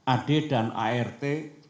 ad dan art